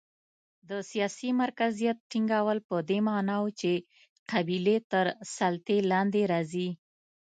د سیاسي مرکزیت ټینګول په دې معنا و چې قبیلې تر سلطې لاندې راځي.